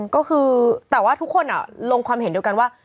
ก็คือแต่ว่าทุกคนลงความเห็นเดียวกันว่า